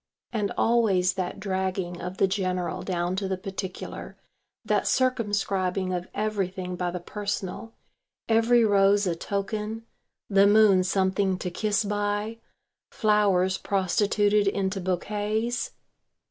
And always that dragging of the general down to the particular, that circumscribing of everything by the personal, every rose a token, the moon something to kiss by, flowers prostituted into bouquets.